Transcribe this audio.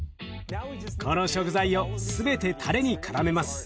この食材を全てたれにからめます。